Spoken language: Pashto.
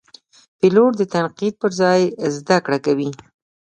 پیلوټ د تنقید پر ځای زده کړه کوي.